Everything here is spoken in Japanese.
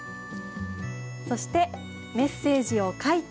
そしてメッセージを書いて